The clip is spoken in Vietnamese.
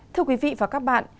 thưa quý vị và các bạn